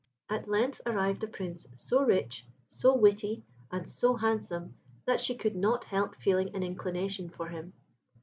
At length arrived a Prince so rich, so witty, and so handsome, that she could not help feeling an inclination for him.